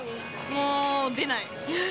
もう出ない。